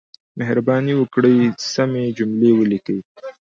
مهرباني وکړئ سمې جملې ولیکئ.